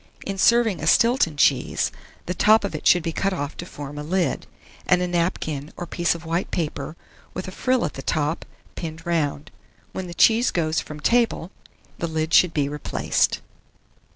In serving a Stilton cheese, the top of it should be cut off to form a lid, and a napkin or piece of white paper, with a frill at the top, pinned round. When the cheese goes from table, the lid should be replaced.